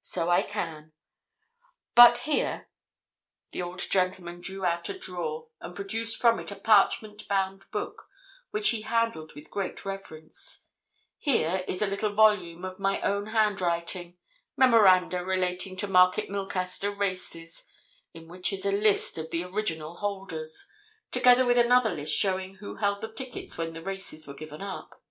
So I can. But here"—the old gentleman drew out a drawer and produced from it a parchment bound book which he handled with great reverence—"here is a little volume of my own handwriting—memoranda relating to Market Milcaster Races—in which is a list of the original holders, together with another list showing who held the tickets when the races were given up.